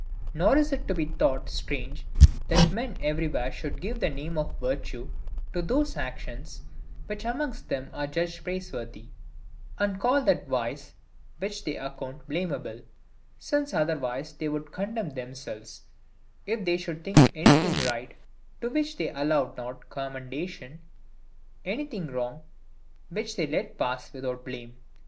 Nor is it to be thought strange, that men everywhere should give the name of virtue to those actions, which amongst them are judged praiseworthy; and call that vice, which they account blamable: since otherwise they would condemn themselves, if they should think anything right, to which they allowed not commendation, anything wrong, which they let pass without blame.